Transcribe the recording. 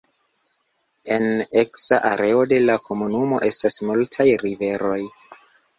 En eksa areo de la komunumo estas multaj riveroj.